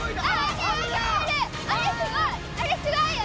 あれすごいよ！